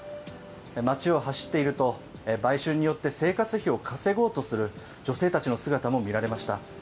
街を走っていると、売春によって生活費を稼ごうとする女性たちの姿も見られました。